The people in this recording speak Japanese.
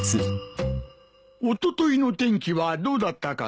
おとといの天気はどうだったかな？